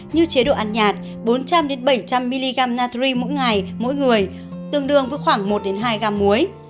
như chế độ ăn nhạt bốn trăm linh bảy trăm linh mg natri mỗi ngày mỗi người tương đương với khoảng một hai gam muối